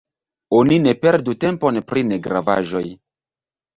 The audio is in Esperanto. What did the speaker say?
Oni ne perdu tempon pri negravaĵoj.